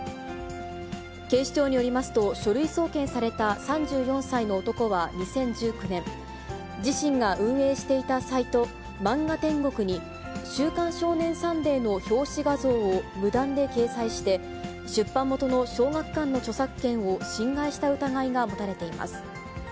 警視庁によりますと、書類送検された３４歳の男は２０１９年、自身が運営していたサイト、漫画天国に、週刊少年サンデーの表紙画像を無断で掲載して、出版元の小学館の著作権を侵害した疑いが持たれています。